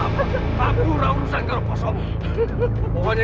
tak ada urusan untuk membuangnya